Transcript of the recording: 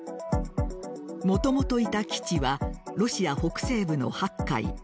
もともといた基地はロシア北西部の白海。